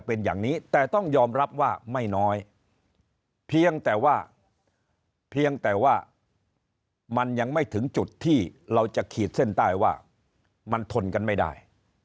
เป็นอย่างนี้แต่ต้องยอมรับว่าไม่น้อยเพียงแต่ว่าเพียงแต่ว่ามันยังไม่ถึงจุดที่เราจะขีดเส้นใต้ว่ามันทนกันไม่ได้